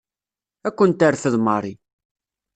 Ad ken-terfed Mary.